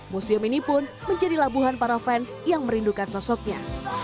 museum ini pun menjadi labuhan para fans yang merindukan sosoknya